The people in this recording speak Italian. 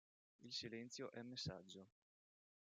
Il silenzio è messaggio.